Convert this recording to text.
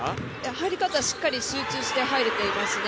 入り方、しっかり集中して入れてますね。